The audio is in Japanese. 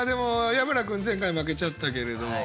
矢花君前回負けちゃったけれど。